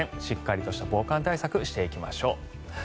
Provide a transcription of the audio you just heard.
しっかりとした防寒対策をしていきましょう。